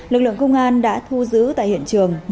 lực lượng công an đã thu giữ tại hiện trường